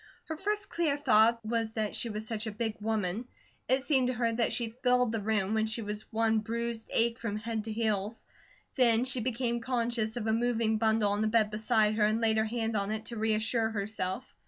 Her first clear thought was that she was such a big woman; it seemed to her that she filled the room, when she was one bruised ache from head to heels. Then she became conscious of a moving bundle on the bed beside her, and laid her hand on it to reassure herself.